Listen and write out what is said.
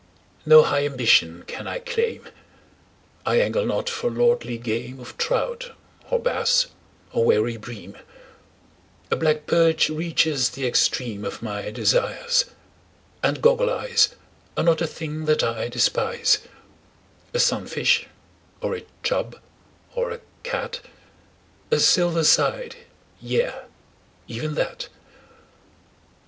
No high ambition can I claim I angle not for lordly game Of trout, or bass, or wary bream A black perch reaches the extreme Of my desires; and "goggle eyes" Are not a thing that I despise; A sunfish, or a "chub," or a "cat" A "silver side" yea, even that!